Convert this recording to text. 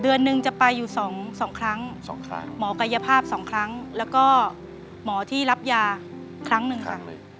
เดือนหนึ่งจะไปอยู่๒ครั้งหมอกายภาพ๒ครั้งแล้วก็หมอที่รับยาครั้งหนึ่งค่ะ